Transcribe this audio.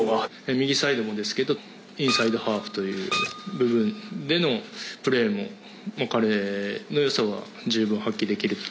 右サイドですけどインサイドハーフという部分でのプレーも、彼の良さは十分発揮できると。